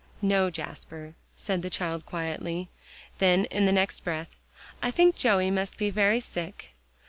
"No, Jasper," said the child quietly. Then in the next breath, "I think Joey must be very sick."